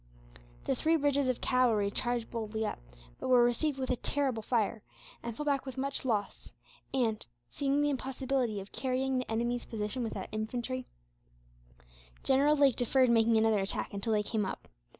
The three brigades of cavalry charged boldly up, but were received with a terrible fire, and fell back with much loss and, seeing the impossibility of carrying the enemy's position without infantry, General Lake deferred making another attack until they came up.